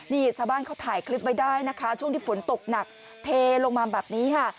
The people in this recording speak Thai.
นี่ชาวบ้านเขาถ่ายคลิปไว้ได้นะคะช่วงที่ฝนตกหนักเทลงมาแบบนี้ค่ะ